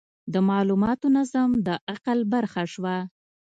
د مالوماتو نظم د عقل برخه شوه.